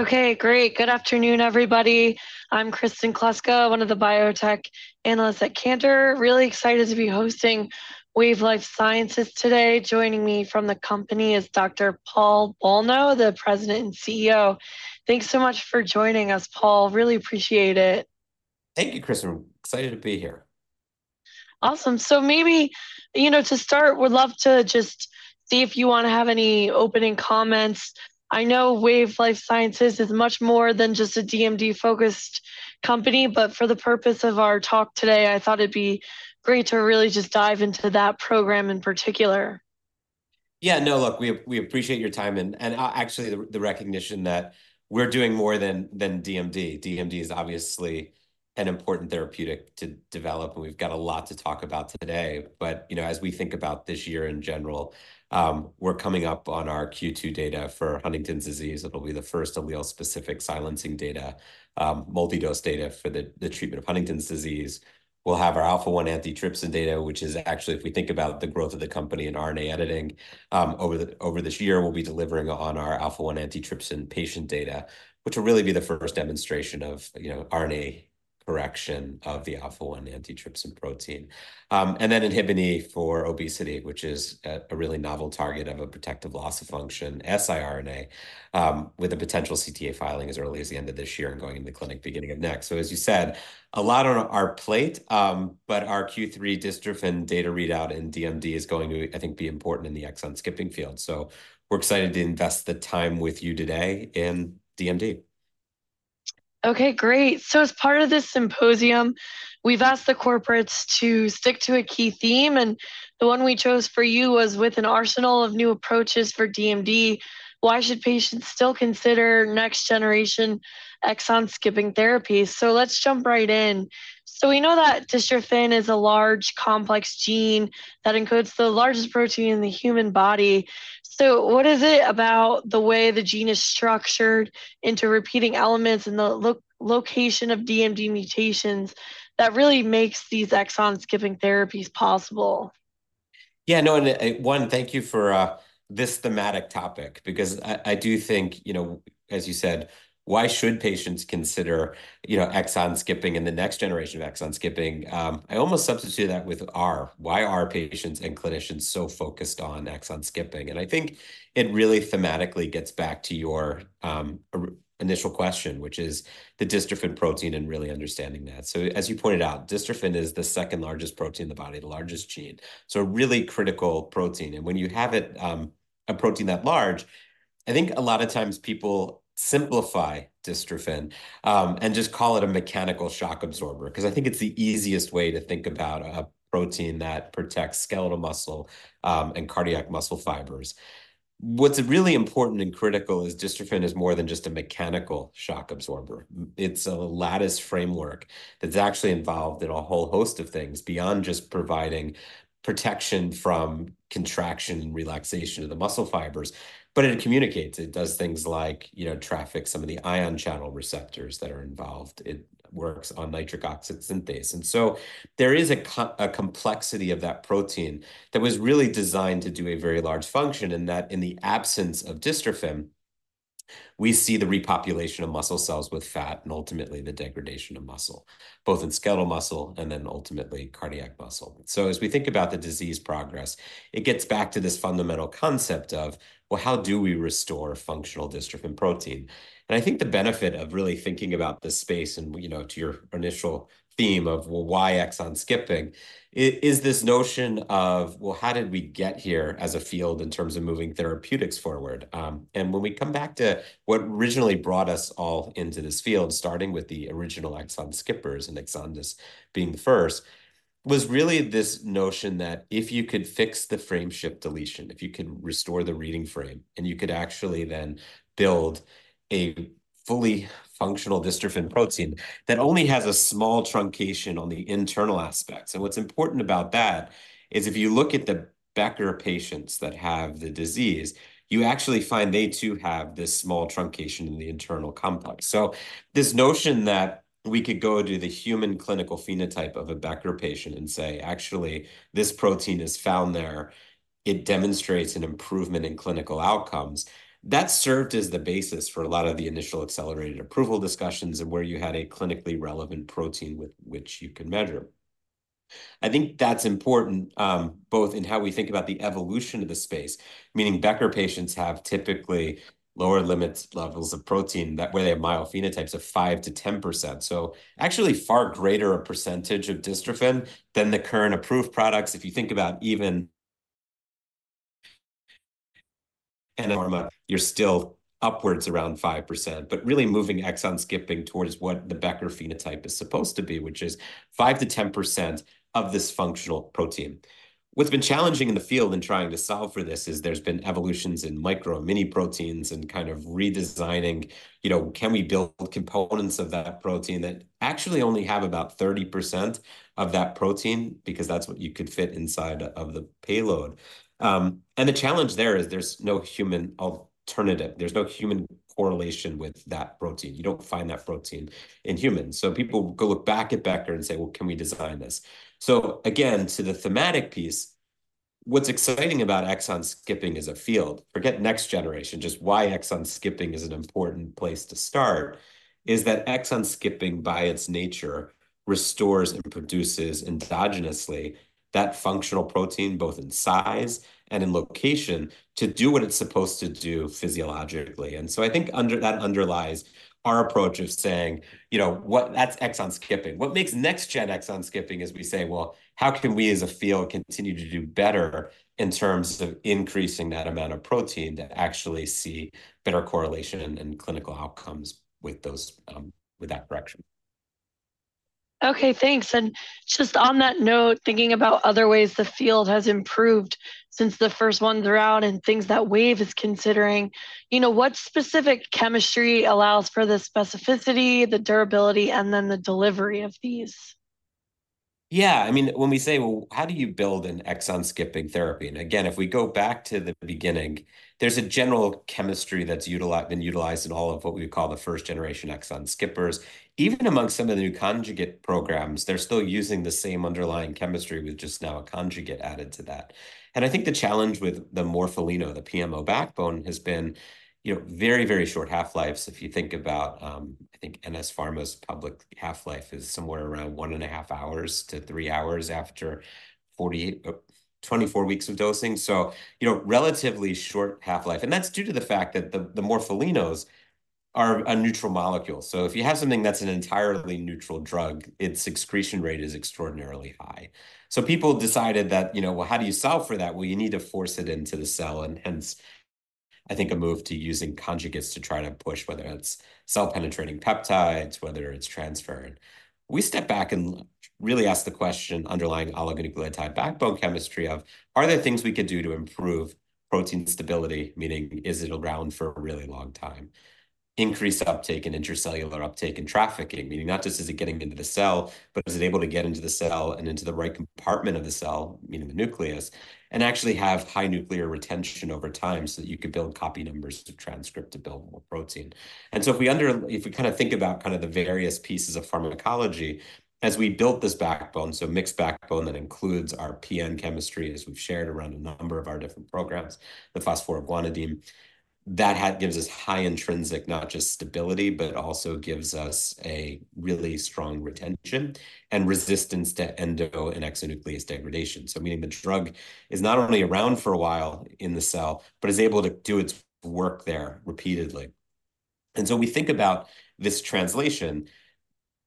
Okay, great. Good afternoon, everybody. I'm Kristen Kluska, one of the biotech analysts at Cantor. Really excited to be hosting Wave Life Sciences today. Joining me from the company is Dr. Paul Bolno, the President and CEO. Thanks so much for joining us, Paul. Really appreciate it. Thank you, Kristen. Excited to be here. Awesome. So maybe, you know, to start, we'd love to just see if you want to have any opening comments. I know Wave Life Sciences is much more than just a DMD-focused company, but for the purpose of our talk today, I thought it'd be great to really just dive into that program in particular. Yeah, no, look, we appreciate your time and actually the recognition that we're doing more than DMD. DMD is obviously an important therapeutic to develop, and we've got a lot to talk about today. But, you know, as we think about this year in general, we're coming up on our Q2 data for Huntington's disease. It'll be the first allele-specific silencing data, multidose data for the treatment of Huntington's disease. We'll have our alpha-1 antitrypsin data, which is actually, if we think about the growth of the company in RNA editing, over the year we'll be delivering on our alpha-1 antitrypsin patient data, which will really be the first demonstration of, you know, RNA correction of the alpha-1 antitrypsin protein. And then INHBE for obesity, which is a really novel target of a protective loss of function siRNA, with a potential CTA filing as early as the end of this year and going into the clinic beginning of next. So as you said, a lot on our plate, but our Q3 dystrophin data readout in DMD is going to, I think, be important in the exon skipping field. So we're excited to invest the time with you today in DMD. Okay, great. So as part of this symposium, we've asked the corporates to stick to a key theme, and the one we chose for you was, "With an arsenal of new approaches for DMD, why should patients still consider next-generation exon skipping therapies?" So let's jump right in. So we know that dystrophin is a large, complex gene that encodes the largest protein in the human body. So what is it about the way the gene is structured into repeating elements and the location of DMD mutations that really makes these exon skipping therapies possible? Thank you for this thematic topic because I do think, you know, as you said, why should patients consider, you know, exon skipping and the next generation of exon skipping? I almost substitute that with are. Why are patients and clinicians so focused on exon skipping? And I think it really thematically gets back to your initial question, which is the dystrophin protein and really understanding that. So as you pointed out, dystrophin is the second largest protein in the body, the largest gene. So a really critical protein. And when you have it, a protein that large, I think a lot of times people simplify dystrophin and just call it a mechanical shock absorber because I think it's the easiest way to think about a protein that protects skeletal muscle and cardiac muscle fibers. What's really important and critical is dystrophin is more than just a mechanical shock absorber. It's a lattice framework that's actually involved in a whole host of things beyond just providing protection from contraction and relaxation of the muscle fibers. But it communicates. It does things like, you know, traffic some of the ion channel receptors that are involved. It works on nitric oxide synthase. And so there is a complexity of that protein that was really designed to do a very large function in that in the absence of dystrophin, we see the repopulation of muscle cells with fat and ultimately the degradation of muscle, both in skeletal muscle and then ultimately cardiac muscle. So as we think about the disease progress, it gets back to this fundamental concept of, well, how do we restore functional dystrophin protein? And I think the benefit of really thinking about this space and, you know, to your initial theme of, well, why exon skipping, is this notion of, well, how did we get here as a field in terms of moving therapeutics forward? And when we come back to what originally brought us all into this field, starting with the original exon skippers and Exondys being the first, was really this notion that if you could fix the frame shift deletion, if you could restore the reading frame, and you could actually then build a fully functional dystrophin protein that only has a small truncation on the internal aspects. And what's important about that is if you look at the Becker patients that have the disease, you actually find they too have this small truncation in the internal complex. So this notion that we could go to the human clinical phenotype of a Becker patient and say, actually, this protein is found there, it demonstrates an improvement in clinical outcomes, that served as the basis for a lot of the initial accelerated approval discussions and where you had a clinically relevant protein with which you can measure. I think that's important, both in how we think about the evolution of the space, meaning Becker patients have typically lower limit levels of protein than where they have mild phenotypes of 5%-10%, so actually far greater a percentage of dystrophin than the current approved products. If you think about even NS Pharma, you're still upwards around 5%, but really moving exon skipping towards what the Becker phenotype is supposed to be, which is 5%-10% of this functional protein. What's been challenging in the field in trying to solve for this is there's been evolutions in micro and mini proteins and kind of redesigning, you know, can we build components of that protein that actually only have about 30% of that protein because that's what you could fit inside of the payload. And the challenge there is there's no human alternative. There's no human correlation with that protein. You don't find that protein in humans. So people go look back at Becker and say, well, can we design this? So again, to the thematic piece, what's exciting about exon skipping as a field, forget next generation, just why exon skipping is an important place to start, is that exon skipping by its nature restores and produces endogenously that functional protein both in size and in location to do what it's supposed to do physiologically. So I think that underlies our approach of saying, you know, what? That's exon skipping. What makes next-gen exon skipping is we say, well, how can we as a field continue to do better in terms of increasing that amount of protein to actually see better correlation and clinical outcomes with those, with that direction? Okay, thanks. And just on that note, thinking about other ways the field has improved since the first one throughout and things that Wave is considering, you know, what specific chemistry allows for the specificity, the durability, and then the delivery of these? Yeah, I mean, when we say, well, how do you build an exon skipping therapy? And again, if we go back to the beginning, there's a general chemistry that's been utilized in all of what we would call the first-generation exon skippers. Even among some of the new conjugate programs, they're still using the same underlying chemistry with just now a conjugate added to that. And I think the challenge with the Morpholino, the PMO backbone, has been, you know, very, very short half-lives. If you think about, I think NS Pharma's public half-life is somewhere around 1.5 to 3 hours after 24 weeks of dosing. So, you know, relatively short half-life. And that's due to the fact that the Morpholinos are a neutral molecule. So if you have something that's an entirely neutral drug, its excretion rate is extraordinarily high. So people decided that, you know, well, how do you solve for that? Well, you need to force it into the cell and hence, I think, a move to using conjugates to try to push whether it's cell-penetrating peptides, whether it's transfer. And we step back and really ask the question, underlying oligonucleotide backbone chemistry of, are there things we could do to improve protein stability, meaning is it around for a really long time? Increase uptake and intracellular uptake and trafficking, meaning not just is it getting into the cell, but is it able to get into the cell and into the right compartment of the cell, meaning the nucleus, and actually have high nuclear retention over time so that you could build copy numbers of transcript to build more protein. And so if we kind of think about kind of the various pieces of pharmacology, as we built this backbone, so mixed backbone that includes our PN chemistry, as we've shared around a number of our different programs, the phosphoryl guanidine, that gives us high intrinsic, not just stability, but also gives us a really strong retention and resistance to endo- and exonuclease degradation. So, meaning the drug is not only around for a while in the cell, but is able to do its work there repeatedly. And so we think about this translation.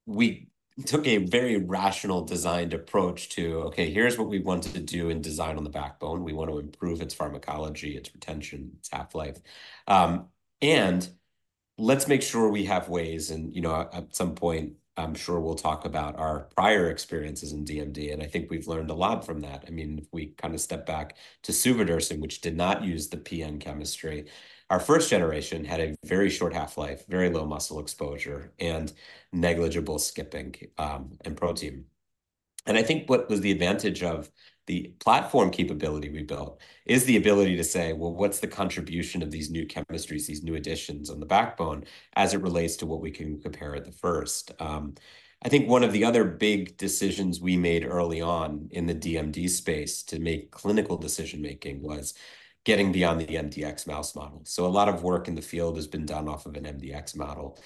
We took a very rational designed approach to, okay, here's what we want to do in design on the backbone. We want to improve its pharmacology, its retention, its half-life. And let's make sure we have ways. You know, at some point, I'm sure we'll talk about our prior experiences in DMD, and I think we've learned a lot from that. I mean, if we kind of step back to suvodirsen, which did not use the PN chemistry, our first generation had a very short half-life, very low muscle exposure, and negligible skipping, and protein. I think what was the advantage of the platform capability we built is the ability to say, well, what's the contribution of these new chemistries, these new additions on the backbone as it relates to what we can compare at the first? I think one of the other big decisions we made early on in the DMD space to make clinical decision-making was getting beyond the mdx mouse model. A lot of work in the field has been done off of an mdx model.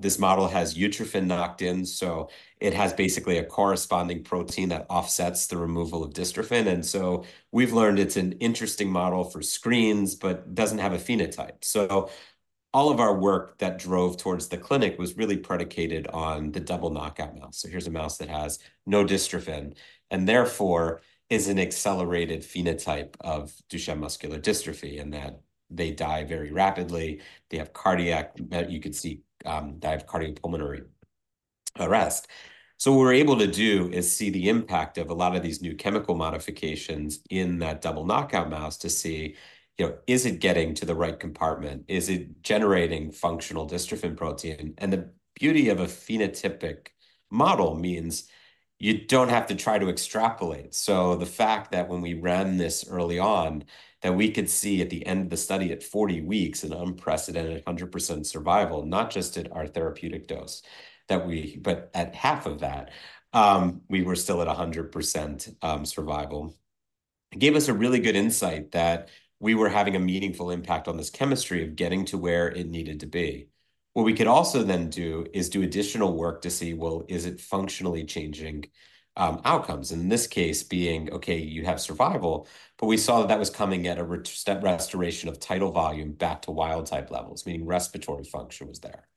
This model has utrophin knocked in, so it has basically a corresponding protein that offsets the removal of dystrophin. So we've learned it's an interesting model for screens, but doesn't have a phenotype. So all of our work that drove towards the clinic was really predicated on the double knockout mouse. So here's a mouse that has no dystrophin and therefore is an accelerated phenotype of Duchenne muscular dystrophy in that they die very rapidly. They have cardiac, you could see, die of cardiopulmonary arrest. So what we're able to do is see the impact of a lot of these new chemical modifications in that double knockout mouse to see, you know, is it getting to the right compartment? Is it generating functional dystrophin protein? And the beauty of a phenotypic model means you don't have to try to extrapolate. So the fact that when we ran this early on, that we could see at the end of the study at 40 weeks an unprecedented 100% survival, not just at our therapeutic dose, that we, but at half of that, we were still at 100% survival. It gave us a really good insight that we were having a meaningful impact on this chemistry of getting to where it needed to be. What we could also then do is do additional work to see, well, is it functionally changing outcomes? And in this case being, okay, you have survival, but we saw that that was coming at a step restoration of tidal volume back to wild-type levels, meaning respiratory function was there.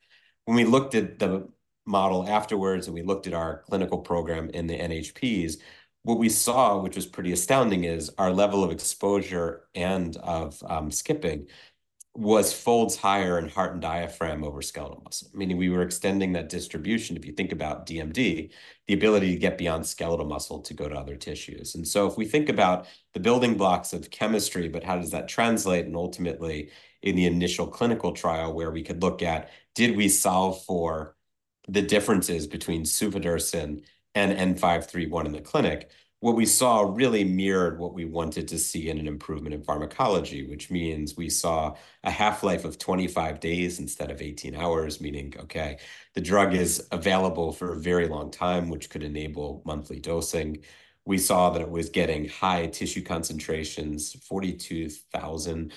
When we looked at the model afterwards and we looked at our clinical program in the NHPs, what we saw, which was pretty astounding, is our level of exposure and of skipping was folds higher in heart and diaphragm over skeletal muscle. Meaning we were extending that distribution. If you think about DMD, the ability to get beyond skeletal muscle to go to other tissues. And so if we think about the building blocks of chemistry, but how does that translate? And ultimately in the initial clinical trial where we could look at, did we solve for the differences between suvodirsen and N531 in the clinic? What we saw really mirrored what we wanted to see in an improvement in pharmacology, which means we saw a half-life of 25 days instead of 18 hours, meaning, okay, the drug is available for a very long time, which could enable monthly dosing. We saw that it was getting high tissue concentrations, 42,000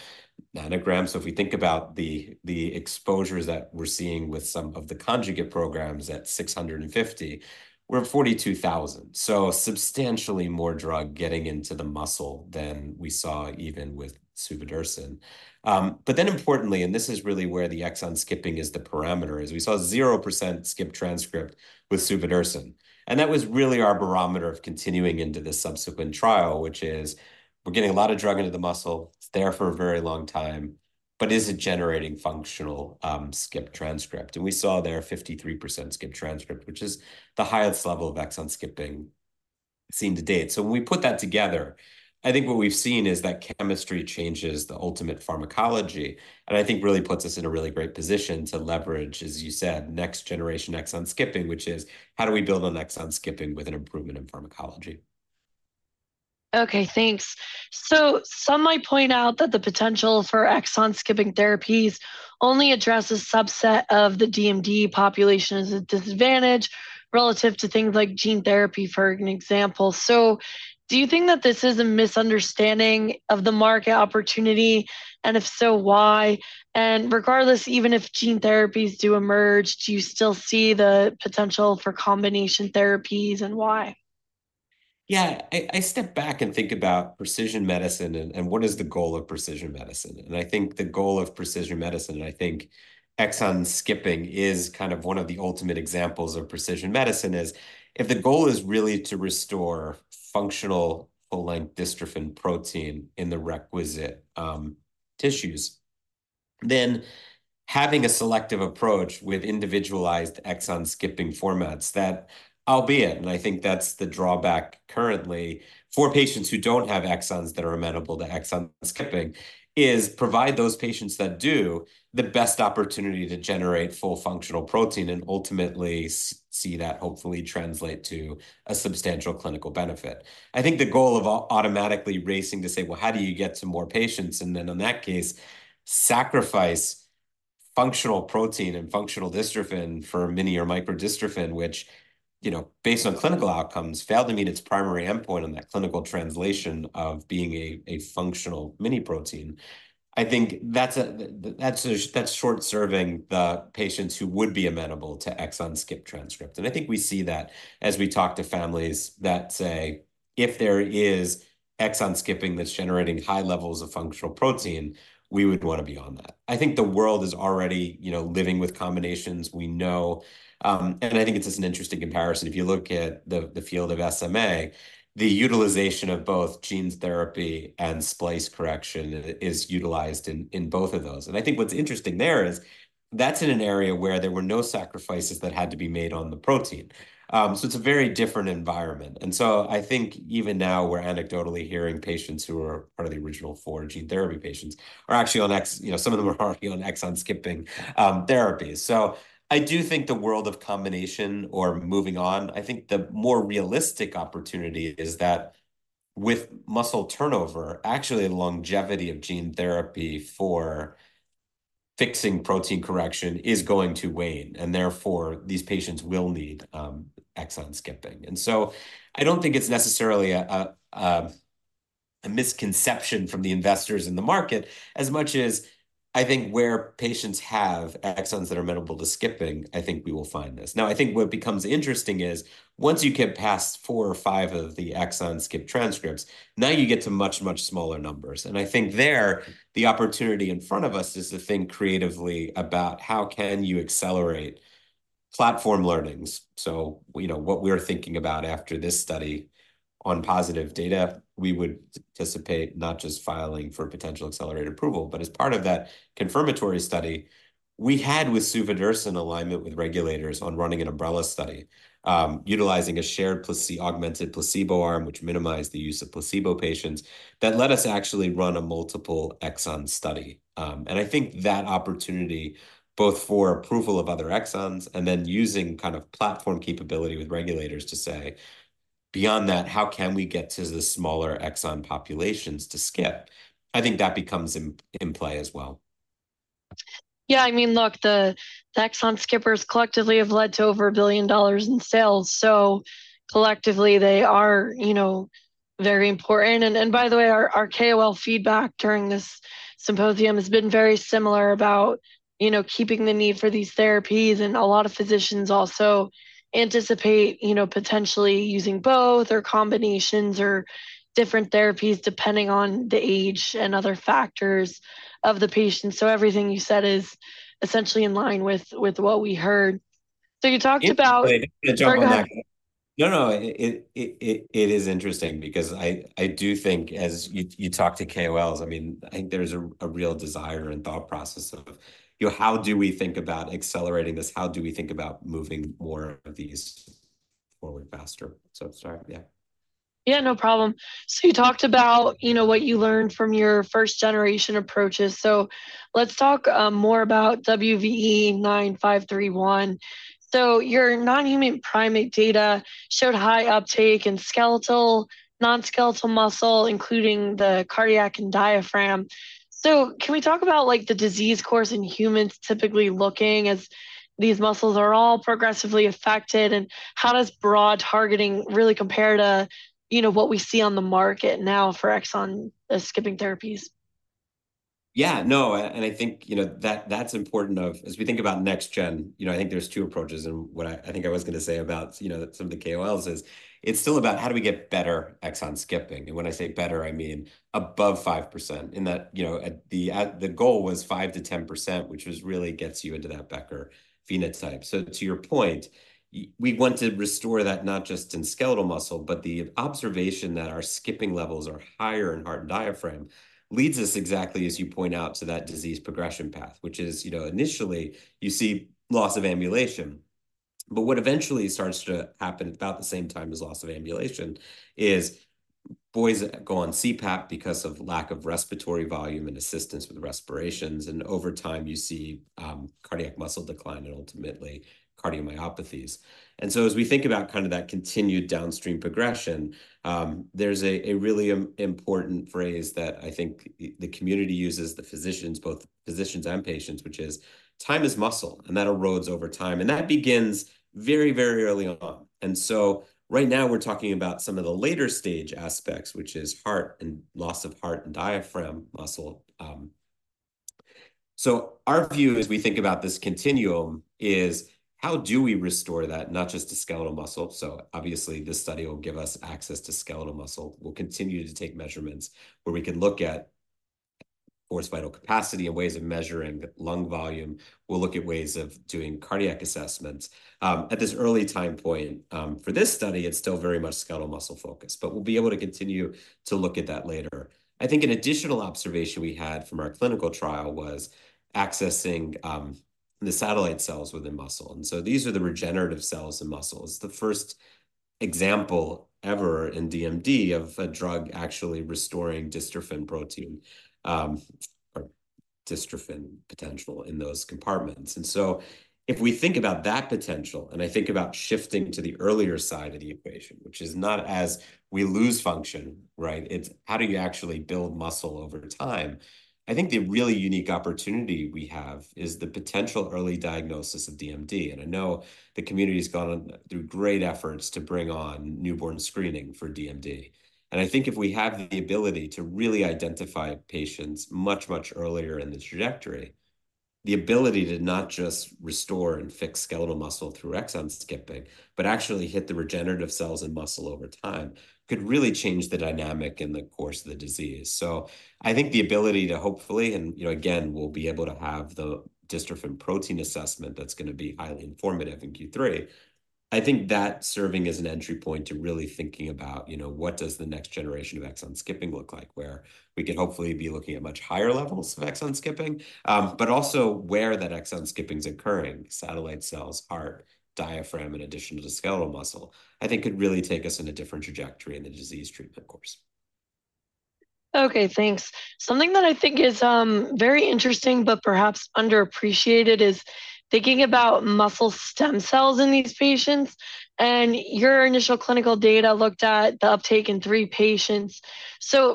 nanograms. So if we think about the exposures that we're seeing with some of the conjugate programs at 650, we're at 42,000. So substantially more drug getting into the muscle than we saw even with suvodirsen. But then importantly, and this is really where the exon skipping is the parameter, is we saw 0% skipped transcript with suvodirsen. And that was really our barometer of continuing into the subsequent trial, which is we're getting a lot of drug into the muscle. It's there for a very long time. But is it generating functional, skipped transcript? And we saw there a 53% skipped transcript, which is the highest level of exon skipping seen to date. So when we put that together, I think what we've seen is that chemistry changes the ultimate pharmacology. I think really puts us in a really great position to leverage, as you said, next-generation exon skipping, which is how do we build on exon skipping with an improvement in pharmacology? Okay, thanks. So some might point out that the potential for exon skipping therapies only addresses a subset of the DMD population as a disadvantage relative to things like gene therapy, for example. So do you think that this is a misunderstanding of the market opportunity? And if so, why? And regardless, even if gene therapies do emerge, do you still see the potential for combination therapies and why? Yeah, I step back and think about precision medicine and what is the goal of precision medicine? And I think the goal of precision medicine, and I think exon skipping is kind of one of the ultimate examples of precision medicine, is if the goal is really to restore functional full-length dystrophin protein in the requisite tissues, then having a selective approach with individualized exon skipping formats that, albeit, and I think that's the drawback currently for patients who don't have exons that are amenable to exon skipping, is provide those patients that do the best opportunity to generate full functional protein and ultimately see that hopefully translate to a substantial clinical benefit. I think the goal of automatically racing to say, well, how do you get to more patients? In that case, sacrifice functional protein and functional dystrophin for mini or microdystrophin, which, you know, based on clinical outcomes, failed to meet its primary endpoint on that clinical translation of being a functional mini protein. I think that's short serving the patients who would be amenable to exon skipped transcript. And I think we see that as we talk to families that say, if there is exon skipping that's generating high levels of functional protein, we would want to be on that. I think the world is already, you know, living with combinations. We know, and I think it's just an interesting comparison. If you look at the field of SMA, the utilization of both gene therapy and splice correction is utilized in both of those. I think what's interesting there is that's in an area where there were no sacrifices that had to be made on the protein. So it's a very different environment. And so I think even now we're anecdotally hearing patients who are part of the original four gene therapy patients are actually on X, you know, some of them are already on exon skipping therapies. So I do think the world of combination or moving on, I think the more realistic opportunity is that with muscle turnover, actually the longevity of gene therapy for fixing protein correction is going to wane. And therefore these patients will need exon skipping. And so I don't think it's necessarily a misconception from the investors in the market as much as I think where patients have exons that are amenable to skipping, I think we will find this. Now, I think what becomes interesting is once you get past four or five of the exon skipped transcripts, now you get to much, much smaller numbers. I think there's the opportunity in front of us is to think creatively about how can you accelerate platform learnings. So, you know, what we were thinking about after this study on positive data, we would anticipate not just filing for potential accelerated approval, but as part of that confirmatory study, we had with suvodirsen alignment with regulators on running an umbrella study, utilizing a shared augmented placebo arm, which minimized the use of placebo patients that let us actually run a multiple exon study. I think that opportunity both for approval of other exons and then using kind of platform capability with regulators to say, beyond that, how can we get to the smaller exon populations to skip? I think that becomes in play as well. Yeah, I mean, look, the exon skippers collectively have led to over $1 billion in sales. So collectively they are, you know, very important. And by the way, our KOL feedback during this symposium has been very similar about, you know, keeping the need for these therapies. And a lot of physicians also anticipate, you know, potentially using both or combinations or different therapies depending on the age and other factors of the patient. So everything you said is essentially in line with what we heard. So you talked about. I'll jump in. No, no, it is interesting because I do think as you talk to KOLs, I mean, I think there's a real desire and thought process of, you know, how do we think about accelerating this? How do we think about moving more of these forward faster? So sorry. Yeah. Yeah, no problem. So you talked about, you know, what you learned from your first generation approaches. So let's talk more about WVE-N531. So your non-human primate data showed high uptake in skeletal, non-skeletal muscle, including the cardiac and diaphragm. So can we talk about like the disease course in humans typically looking as these muscles are all progressively affected? And how does broad targeting really compare to, you know, what we see on the market now for exon skipping therapies? Yeah, no, and I think, you know, that that's important as we think about next gen, you know, I think there's two approaches. And what I think I was going to say about, you know, some of the KOLs is it's still about how do we get better exon skipping? And when I say better, I mean above 5% in that, you know, the goal was 5%-10%, which was really gets you into that Becker phenotype. So to your point, we want to restore that not just in skeletal muscle, but the observation that our skipping levels are higher in heart and diaphragm leads us exactly, as you point out, to that disease progression path, which is, you know, initially you see loss of ambulation. But what eventually starts to happen at about the same time as loss of ambulation is boys go on CPAP because of lack of respiratory volume and assistance with respirations. And over time you see, cardiac muscle decline and ultimately cardiomyopathies. And so as we think about kind of that continued downstream progression, there's a really important phrase that I think the community uses, the physicians, both physicians and patients, which is time is muscle. And that erodes over time. And that begins very, very early on. And so right now we're talking about some of the later stage aspects, which is heart and loss of heart and diaphragm muscle. So our view as we think about this continuum is how do we restore that, not just to skeletal muscle? So obviously this study will give us access to skeletal muscle. We'll continue to take measurements where we can look at forced vital capacity and ways of measuring lung volume. We'll look at ways of doing cardiac assessments. At this early time point, for this study, it's still very much skeletal muscle focus, but we'll be able to continue to look at that later. I think an additional observation we had from our clinical trial was accessing the satellite cells within muscle. And so these are the regenerative cells in muscle. It's the first example ever in DMD of a drug actually restoring dystrophin protein, or dystrophin potential in those compartments. And so if we think about that potential, and I think about shifting to the earlier side of the equation, which is not as we lose function, right? It's how do you actually build muscle over time? I think the really unique opportunity we have is the potential early diagnosis of DMD. I know the community has gone through great efforts to bring on newborn screening for DMD. I think if we have the ability to really identify patients much, much earlier in the trajectory, the ability to not just restore and fix skeletal muscle through exon skipping, but actually hit the regenerative cells and muscle over time could really change the dynamic in the course of the disease. I think the ability to hopefully, and you know, again, we'll be able to have the dystrophin protein assessment that's going to be highly informative in Q3. I think that serving as an entry point to really thinking about, you know, what does the next generation of exon skipping look like? Where we could hopefully be looking at much higher levels of exon skipping, but also where that exon skipping is occurring, satellite cells, heart, diaphragm, in addition to the skeletal muscle, I think could really take us in a different trajectory in the disease treatment course. Okay, thanks. Something that I think is very interesting, but perhaps underappreciated, is thinking about muscle stem cells in these patients. Your initial clinical data looked at the uptake in three patients.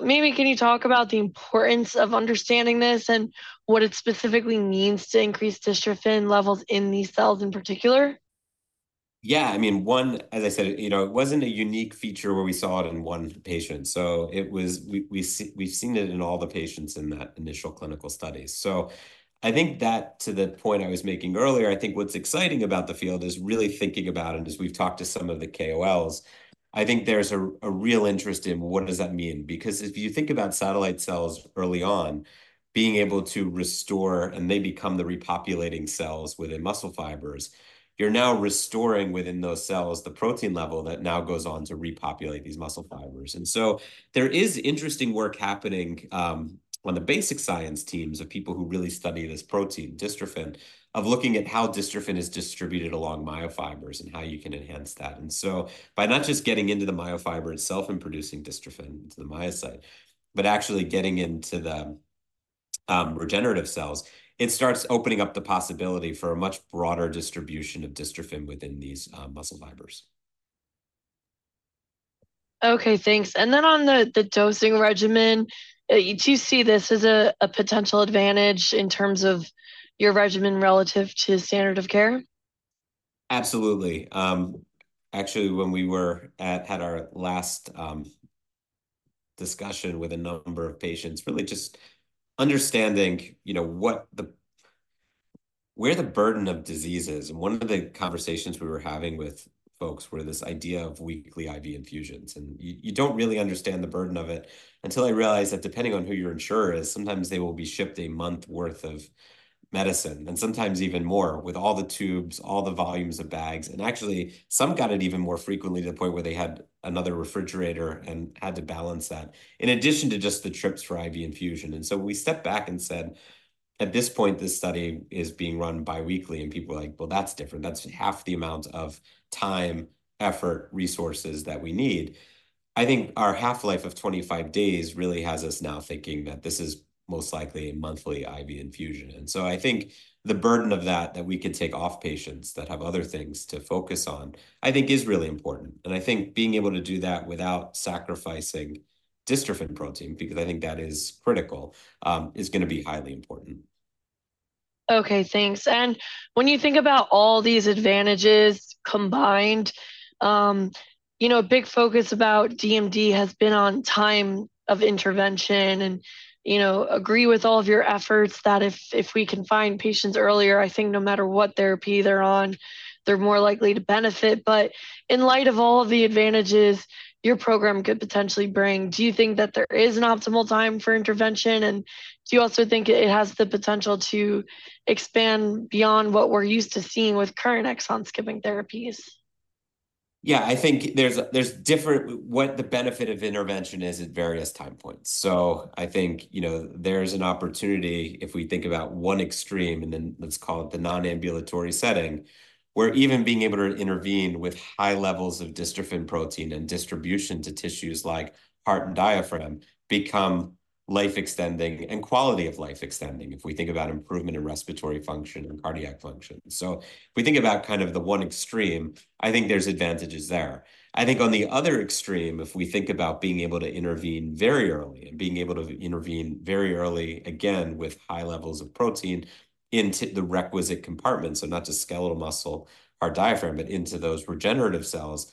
Maybe can you talk about the importance of understanding this and what it specifically means to increase dystrophin levels in these cells in particular? Yeah, I mean, one, as I said, you know, it wasn't a unique feature where we saw it in one patient. So it was. We've seen it in all the patients in that initial clinical study. So I think that to the point I was making earlier, I think what's exciting about the field is really thinking about, and as we've talked to some of the KOLs, I think there's a real interest in what does that mean? Because if you think about satellite cells early on, being able to restore and they become the repopulating cells within muscle fibers, you're now restoring within those cells the protein level that now goes on to repopulate these muscle fibers. There is interesting work happening on the basic science teams of people who really study this protein, dystrophin, of looking at how dystrophin is distributed along myofibers and how you can enhance that. And so by not just getting into the myofiber itself and producing dystrophin into the myocyte, but actually getting into the regenerative cells, it starts opening up the possibility for a much broader distribution of dystrophin within these muscle fibers. Okay, thanks. And then on the dosing regimen, do you see this as a potential advantage in terms of your regimen relative to standard of care? Absolutely. Actually, when we had our last discussion with a number of patients, really just understanding, you know, what the, where the burden of disease is. And one of the conversations we were having with folks were this idea of weekly IV infusions. And you don't really understand the burden of it until I realized that depending on who your insurer is, sometimes they will be shipped a month's worth of medicine. And sometimes even more with all the tubes, all the volumes of bags. And actually some got it even more frequently to the point where they had another refrigerator and had to balance that in addition to just the trips for IV infusion. And so we stepped back and said, at this point, this study is being run biweekly. And people are like, well, that's different. That's half the amount of time, effort, resources that we need. I think our half life of 25 days really has us now thinking that this is most likely a monthly IV infusion. And so I think the burden of that, that we could take off patients that have other things to focus on, I think is really important. And I think being able to do that without sacrificing dystrophin protein, because I think that is critical, is going to be highly important. Okay, thanks. And when you think about all these advantages combined, you know, a big focus about DMD has been on time of intervention. And, you know, agree with all of your efforts that if we can find patients earlier, I think no matter what therapy they're on, they're more likely to benefit. But in light of all of the advantages your program could potentially bring, do you think that there is an optimal time for intervention? And do you also think it has the potential to expand beyond what we're used to seeing with current exon skipping therapies? Yeah, I think there's different, what the benefit of intervention is at various time points. So I think, you know, there's an opportunity if we think about one extreme and then let's call it the non-ambulatory setting, where even being able to intervene with high levels of dystrophin protein and distribution to tissues like heart and diaphragm become life extending and quality of life extending if we think about improvement in respiratory function and cardiac function. So if we think about kind of the one extreme, I think there's advantages there. I think on the other extreme, if we think about being able to intervene very early and being able to intervene very early again with high levels of protein into the requisite compartments, so not just skeletal muscle, heart, diaphragm, but into those regenerative cells,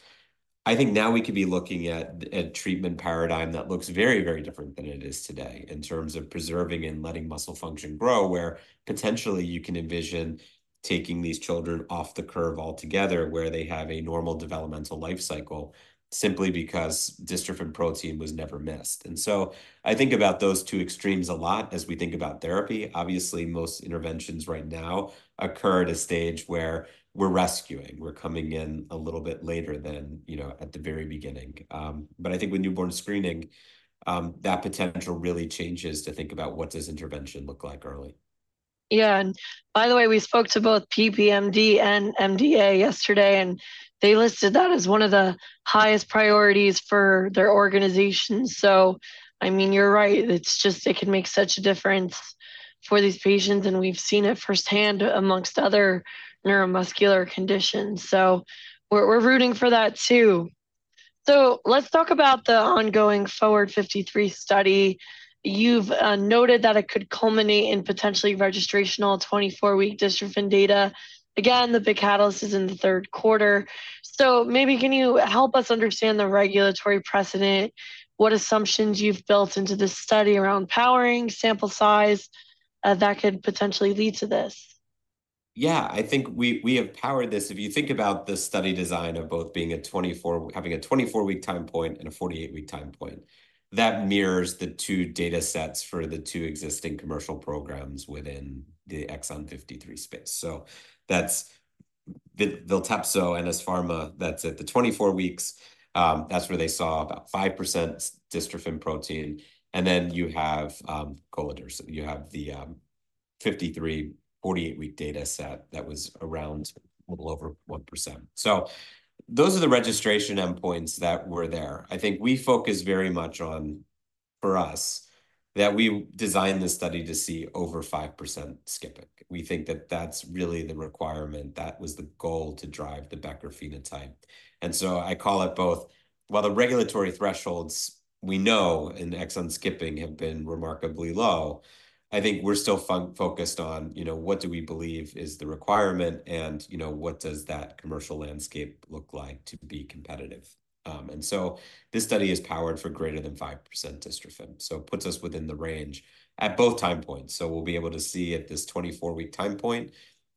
I think now we could be looking at a treatment paradigm that looks very, very different than it is today in terms of preserving and letting muscle function grow, where potentially you can envision taking these children off the curve altogether, where they have a normal developmental life cycle simply because Dystrophin protein was never missed. And so I think about those two extremes a lot as we think about therapy. Obviously, most interventions right now occur at a stage where we're rescuing. We're coming in a little bit later than, you know, at the very beginning. I think with newborn screening, that potential really changes to think about what does intervention look like early. Yeah, and by the way, we spoke to both PPMD and MDA yesterday, and they listed that as one of the highest priorities for their organization. So I mean, you're right. It's just, it can make such a difference for these patients, and we've seen it firsthand amongst other neuromuscular conditions. So we're rooting for that too. So let's talk about the ongoing FORWARD-53 study. You've noted that it could culminate in potentially registrational 24-week dystrophin data. Again, the big catalyst is in the third quarter. So maybe can you help us understand the regulatory precedent? What assumptions you've built into this study around powering, sample size that could potentially lead to this? Yeah, I think we have powered this. If you think about the study design of both being a 24, having a 24-week time point and a 48-week time point, that mirrors the two data sets for the two existing commercial programs within the exon 53 space. So that's the VILTEPSO and NS Pharma, that's at the 24 weeks. That's where they saw about 5% dystrophin protein. And then you have Vyondys 53, so you have the 53, 48-week data set that was around a little over 1%. So those are the registration endpoints that were there. I think we focus very much on, for us, that we designed this study to see over 5% skipping. We think that that's really the requirement. That was the goal to drive the Becker phenotype. I call it both, while the regulatory thresholds we know in exon skipping have been remarkably low. I think we're still focused on, you know, what do we believe is the requirement and, you know, what does that commercial landscape look like to be competitive? This study is powered for greater than 5% dystrophin, so puts us within the range at both time points. We'll be able to see at this 24-week time point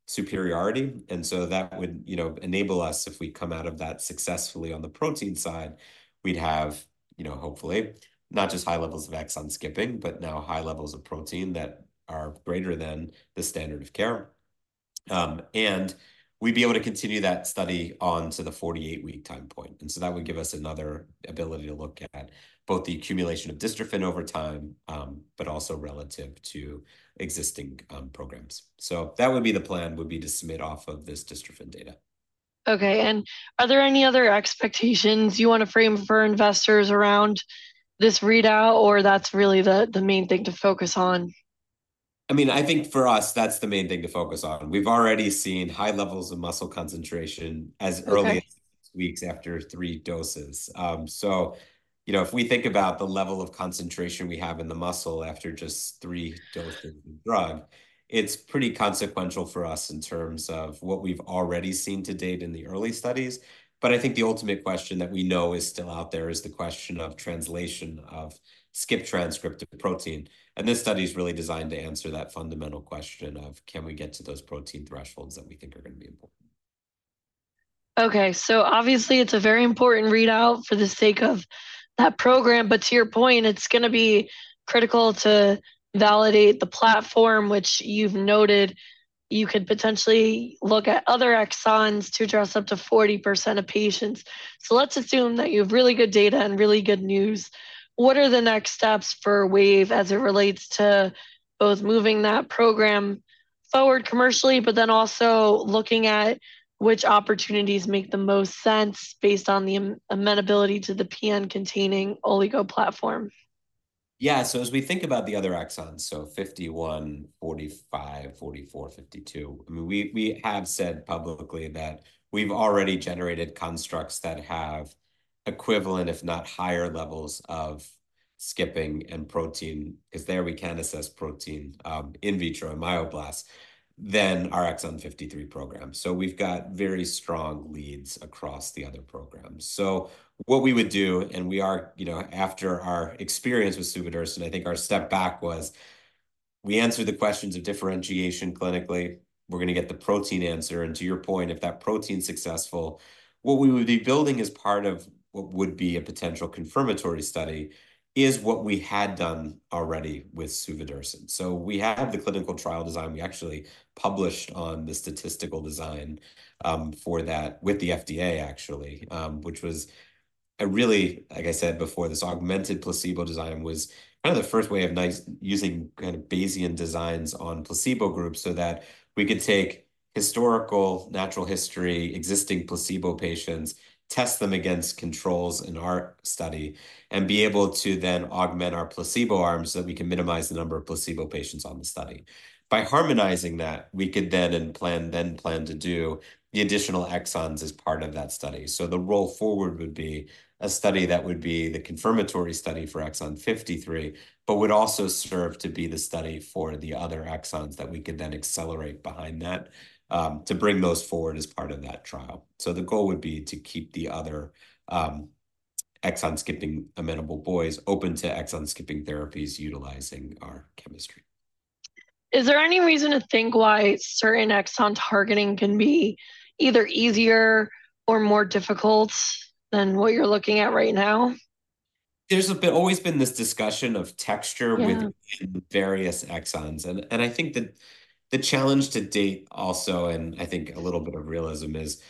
superiority. That would, you know, enable us if we come out of that successfully on the protein side, we'd have, you know, hopefully not just high levels of exon skipping, but now high levels of protein that are greater than the standard of care. We'd be able to continue that study on to the 48-week time point. That would give us another ability to look at both the accumulation of dystrophin over time, but also relative to existing programs. So that would be the plan, would be to submit off of this dystrophin data. Okay. And are there any other expectations you want to frame for investors around this readout, or that's really the main thing to focus on? I mean, I think for us, that's the main thing to focus on. We've already seen high levels of muscle concentration as early as six weeks after three doses. So, you know, if we think about the level of concentration we have in the muscle after just three doses of the drug, it's pretty consequential for us in terms of what we've already seen to date in the early studies. But I think the ultimate question that we know is still out there is the question of translation of skipped transcript of protein. And this study is really designed to answer that fundamental question of can we get to those protein thresholds that we think are going to be important? Okay. Obviously it's a very important readout for the sake of that program, but to your point, it's going to be critical to validate the platform, which you've noted you could potentially look at other exons to address up to 40% of patients. Let's assume that you have really good data and really good news. What are the next steps for Wave as it relates to both moving that program forward commercially, but then also looking at which opportunities make the most sense based on the amenability to the PN-containing oligo platform? Yeah. So as we think about the other exons, so 51, 45, 44, 52, I mean, we have said publicly that we've already generated constructs that have equivalent, if not higher levels of skipping and protein because there we can assess protein in vitro and myoblast, than our exon 53 program. So we've got very strong leads across the other programs. So what we would do, and we are, you know, after our experience with suvodirsen, I think our step back was we answered the questions of differentiation clinically. We're going to get the protein answer. And to your point, if that protein is successful, what we would be building as part of what would be a potential confirmatory study is what we had done already with suvodirsen. So we have the clinical trial design. We actually published on the statistical design for that with the FDA, actually, which was a really, like I said before, this augmented placebo design was kind of the first way of using kind of Bayesian designs on placebo groups so that we could take historical, natural history, existing placebo patients, test them against controls in our study, and be able to then augment our placebo arms so that we can minimize the number of placebo patients on the study. By harmonizing that, we could then plan to do the additional exons as part of that study. So the roll forward would be a study that would be the confirmatory study for exon 53, but would also serve to be the study for the other exons that we could then accelerate behind that to bring those forward as part of that trial. The goal would be to keep the other exon skipping amenable boys open to exon skipping therapies utilizing our chemistry. Is there any reason to think why certain exon targeting can be either easier or more difficult than what you're looking at right now? There's always been this discussion of texture within various exons. And I think that the challenge to date also, and I think a little bit of realism is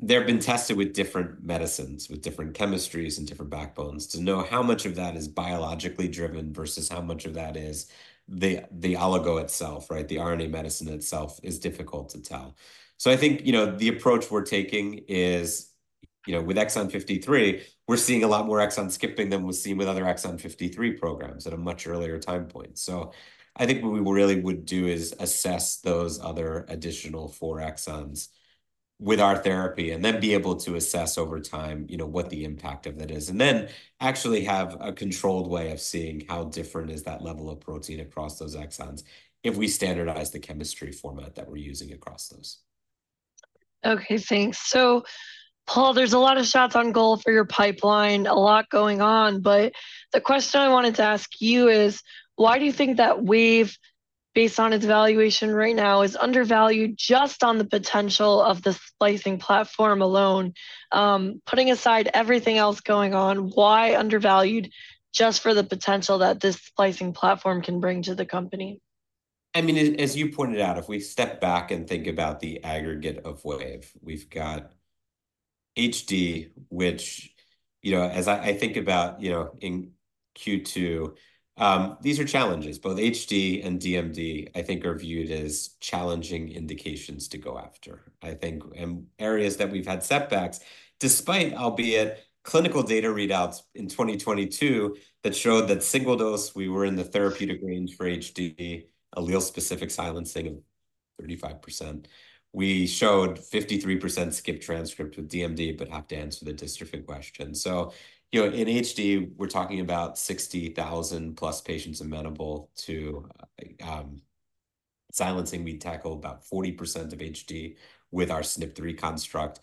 they've been tested with different medicines, with different chemistries and different backbones to know how much of that is biologically driven versus how much of that is the oligo itself, right? The RNA medicine itself is difficult to tell. So I think, you know, the approach we're taking is, you know, with exon 53, we're seeing a lot more exon skipping than we've seen with other exon 53 programs at a much earlier time point. I think what we really would do is assess those other additional four exons with our therapy and then be able to assess over time, you know, what the impact of that is and then actually have a controlled way of seeing how different is that level of protein across those exons if we standardize the chemistry format that we're using across those. Okay, thanks. So Paul, there's a lot of shots on goal for your pipeline, a lot going on, but the question I wanted to ask you is why do you think that Wave, based on its valuation right now, is undervalued just on the potential of the splicing platform alone? Putting aside everything else going on, why undervalued just for the potential that this splicing platform can bring to the company? I mean, as you pointed out, if we step back and think about the aggregate of Wave, we've got HD, which, you know, as I think about, you know, in Q2, these are challenges. Both HD and DMD, I think, are viewed as challenging indications to go after. I think, and areas that we've had setbacks, despite, albeit, clinical data readouts in 2022 that showed that single dose, we were in the therapeutic range for HD, allele specific silencing of 35%. We showed 53% skipped transcript with DMD, but have to answer the dystrophin question. So, you know, in HD, we're talking about 60,000+ patients amenable to silencing. We'd tackle about 40% of HD with our SNP3 construct,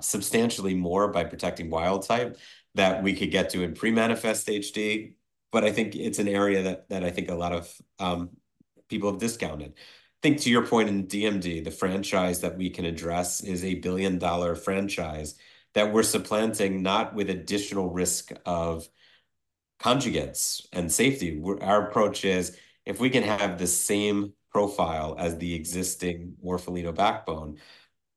substantially more by protecting wild type that we could get to in pre-manifest HD. But I think it's an area that I think a lot of people have discounted. I think to your point in DMD, the franchise that we can address is a $1 billion franchise that we're supplanting not with additional risk of conjugates and safety. Our approach is if we can have the same profile as the existing Morpholino backbone,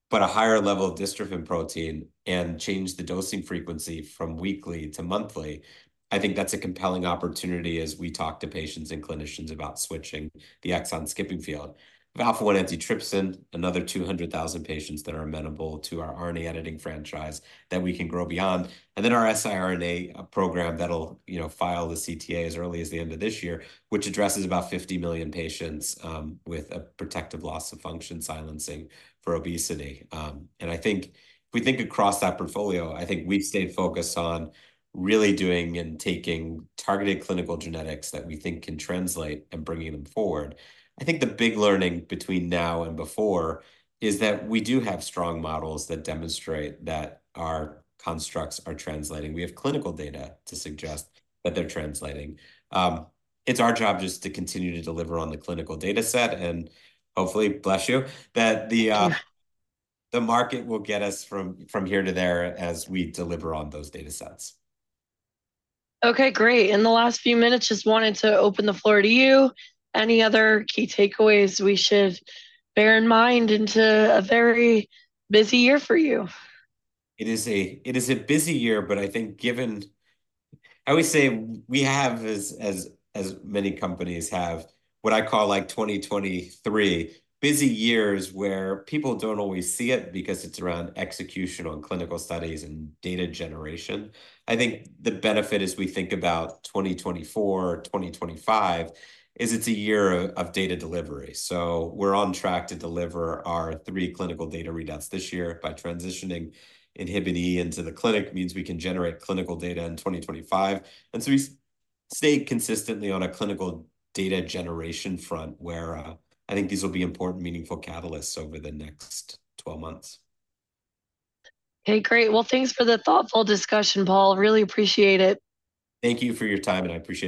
but a higher level of dystrophin protein and change the dosing frequency from weekly to monthly, I think that's a compelling opportunity as we talk to patients and clinicians about switching the exon skipping field. Alpha-1 antitrypsin, another 200,000 patients that are amenable to our RNA editing franchise that we can grow beyond. And then our siRNA program that'll, you know, file the CTA as early as the end of this year, which addresses about 50 million patients with a protective loss of function silencing for obesity. And I think if we think across that portfolio, I think we've stayed focused on really doing and taking targeted clinical genetics that we think can translate and bringing them forward. I think the big learning between now and before is that we do have strong models that demonstrate that our constructs are translating. We have clinical data to suggest that they're translating. It's our job just to continue to deliver on the clinical data set and hopefully, bless you, that the market will get us from here to there as we deliver on those data sets. Okay, great. In the last few minutes, just wanted to open the floor to you. Any other key takeaways we should bear in mind into a very busy year for you? It is a busy year, but I think given, I always say we have, as many companies have, what I call like 2023, busy years where people don't always see it because it's around execution on clinical studies and data generation. I think the benefit as we think about 2024, 2025 is it's a year of data delivery. So we're on track to deliver our three clinical data readouts this year by transitioning INHBE into the clinic means we can generate clinical data in 2025. And so we stay consistently on a clinical data generation front where I think these will be important, meaningful catalysts over the next 12 months. Okay, great. Well, thanks for the thoughtful discussion, Paul. Really appreciate it. Thank you for your time, and I appreciate.